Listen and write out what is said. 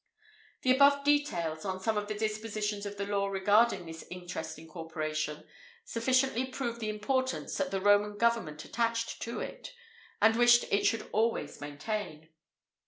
[IV 52] The above details on some of the dispositions of the law regarding this interesting corporation, sufficiently prove the importance that the Roman government attached to it, and wished it should always maintain.